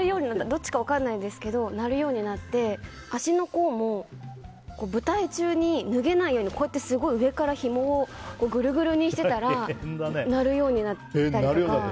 どっちか分からないんですけど鳴るようになって足の甲も、舞台中に脱げないように、すごい上から、ひもをぐるぐるにしてたら鳴るようになったりとか。